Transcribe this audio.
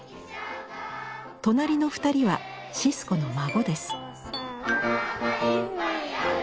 隣の２人はシスコの孫です。